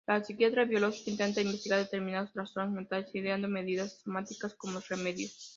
La psiquiatría biológica intenta investigar determinados trastornos mentales ideando medidas somáticas como remedios.